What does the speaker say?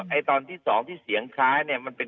แบบที่แบบเอ่อแบบที่แบบเอ่อ